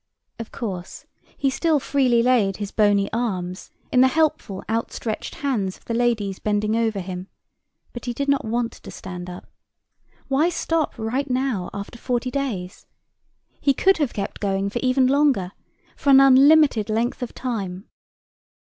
Of course, he still freely laid his bony arms in the helpful outstretched hands of the ladies bending over him, but he did not want to stand up. Why stop right now after forty days? He could have kept going for even longer, for an unlimited length of time.